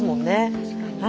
確かに。